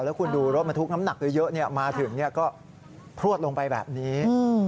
แล้วคุณดูรถบรรทุกน้ำหนักเยอะมาถึงก็พลวดลงไปแบบนี้